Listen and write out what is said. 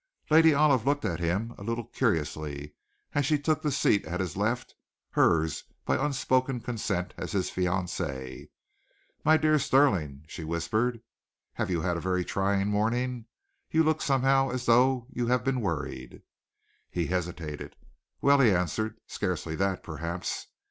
Lady Olive looked at him a little curiously as she took the seat at his left, hers by unspoken consent as his fiancée. "My dear Stirling," she whispered, "have you had a very trying morning? You look somehow as though you had been worried." He hesitated. "Well," he answered, "scarcely that, perhaps.